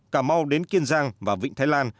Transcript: cà mau đến kiên giang và vịnh thái lan